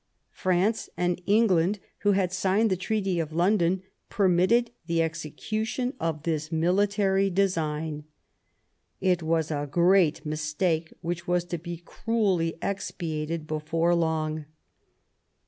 France and England, who had signed the Treaty of London, permitted the execu tion of this military design. It was a great mistake, which was to be cruelly expiated before long.